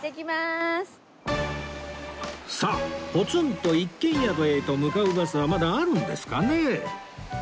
さあポツンと一軒宿へと向かうバスはまだあるんですかね？